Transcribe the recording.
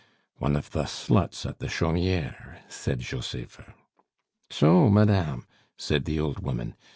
"One of the sluts at the Chaumiere," said Josepha. "So, madame," said the old woman.